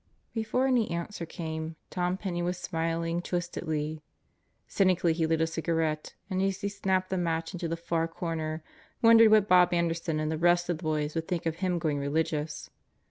Before any answer came, Tom Penney was smiling twistedly. Cynically he lit a cigarette and as he snapped the match into the far corner wondered what Bob Anderson and the rest of the boys would think of him going religious.